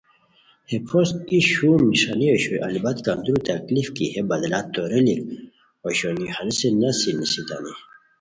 ہے پھوست ای شوم نݰانی اوشوئے البتہ کندوری تکلیف کی ہے بدلہ توریلیک اوشونی ہنیسے نسی نیستانی